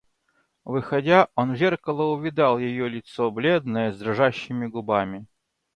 Выходя, он в зеркало увидал ее лицо, бледное, с дрожащими губами.